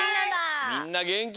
みんなげんき！